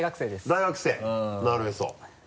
大学生なるへそ。